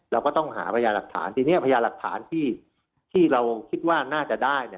เราก็ต้องหาพยาหลักฐานทีนี้พยานหลักฐานที่เราคิดว่าน่าจะได้เนี่ย